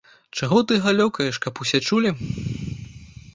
Чаго ты галёкаеш, каб усе чулі.